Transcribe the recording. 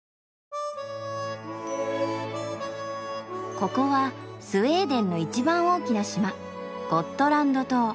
ここはスウェーデンの一番大きな島ゴットランド島。